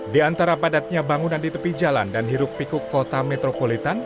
di antara padatnya bangunan di tepi jalan dan hiruk pikuk kota metropolitan